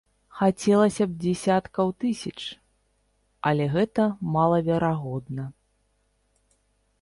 Хацелася б дзесяткаў тысяч, але гэта малаверагодна.